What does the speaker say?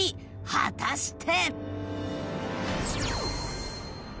果たして？